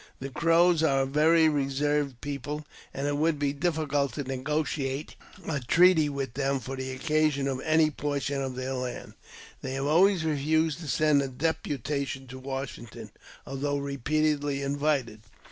The Crows are a very reserved people, and it would be difficult to negotiate a treaty with them for the cession of any portion of their land. They have always refused to send a deputation to "Washington, although repeatedly invited.